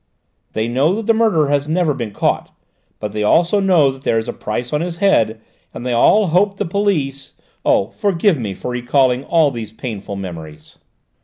They know that the murderer has never been caught, but they also know that there is a price on his head, and they all hope the police Oh, forgive me for recalling all these painful memories!"